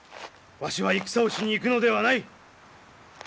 わしは戦をしに行くのではない。